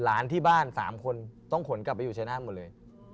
หลานที่บ้าน๓คนต้องขนกลับไปอยู่ชนะหมดเลย